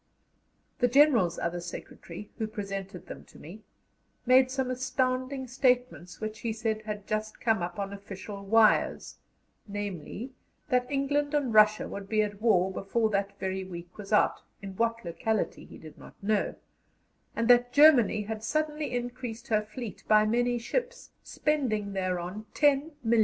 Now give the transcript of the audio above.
The General's other secretary, who presented them to me, made some astounding statements, which he said had just come up on official wires namely, that England and Russia would be at war before that very week was out, in what locality he did not know; and that Germany had suddenly increased her fleet by many ships, spending thereon £10,000,000.